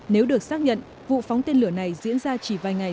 nếu được xác nhận vụ phóng tên lửa này diễn ra chỉ vài ngày